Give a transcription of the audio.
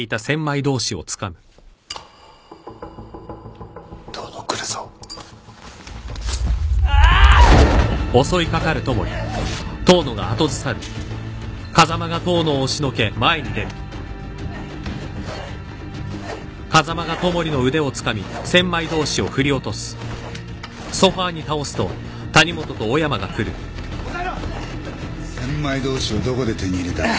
千枚通しをどこで手に入れた？